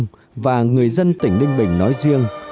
chủ tịch nước trung và người dân tỉnh đinh bình nói riêng